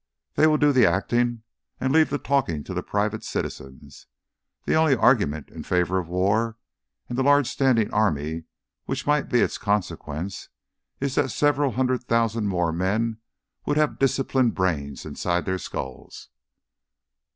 "They will do the acting and leave the talking to the private citizens. The only argument in favour of the war and the large standing army which might be its consequence is that several hundred thousand more men would have disciplined brains inside their skulls."